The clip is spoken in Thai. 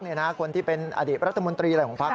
คนที่เป็นอดีตรัฐมนตรีอะไรของพัก